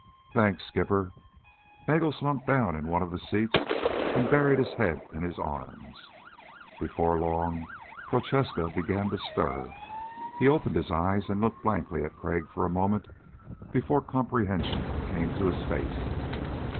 "Thanks, Skipper." Nagel slumped down in one of the seats and buried his head in his arms. Before long Prochaska began to stir. He opened his eyes and looked blankly at Crag for a long moment before comprehension came to his face.